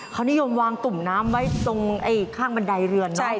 เขานิยมวางตุ่มน้ำไว้ตรงข้างบันไดเรือนนะ